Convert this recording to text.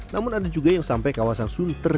namun ada juga yang sampai kawasan sunter